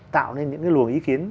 tạo nên những cái luồng ý kiến